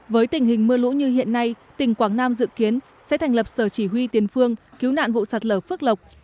với tình hình mưa lũ như hiện nay tỉnh quảng nam dự kiến sẽ thành lập sở chỉ huy tiền phương cứu nạn vụ sạt lở phước lộc